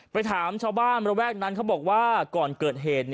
ไปถามชาวบ้านระแวกนั้นเขาบอกว่าก่อนเกิดเหตุ